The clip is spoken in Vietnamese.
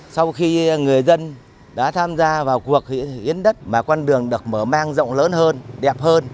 sau khi người dân đã tham gia vào cuộc hiến đất mà con đường được mở mang rộng lớn hơn đẹp hơn